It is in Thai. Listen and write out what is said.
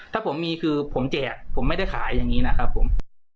ถ้าผมมีคือผมแจกผมไม่ได้ขายอย่างนี้นะครับผม